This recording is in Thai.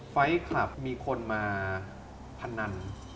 ไฟล์คลับมีคนมาพนัน